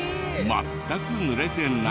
全く濡れてない！